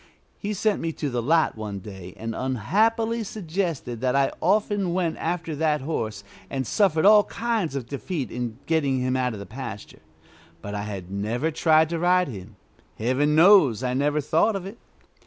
He sent me to the lot one day, and unhappily suggested that I often went after that horse and suffered all kinds of defeat in getting him out of the pasture, but I had never tried to ride him. Heaven knows I never thought of it.